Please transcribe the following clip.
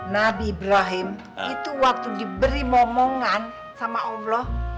nabi ibrahim itu waktu diberi momongan sama allah